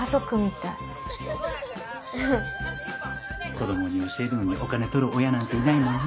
子供に教えるのにお金取る親なんていないもんね。